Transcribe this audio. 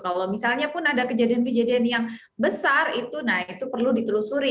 kalau misalnya pun ada kejadian kejadian yang besar itu nah itu perlu ditelusuri